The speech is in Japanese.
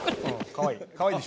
かわいい。